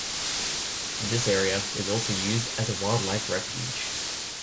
This area is also used as a wildlife refuge.